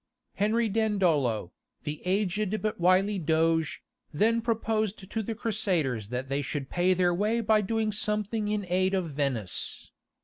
Henry Dandolo, the aged but wily doge, then proposed to the Crusaders that they should pay their way by doing something in aid of Venice.